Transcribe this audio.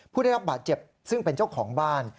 ผู้ได้รับบาดเจ็บซึ่งเป็นเจ้าของบ้าน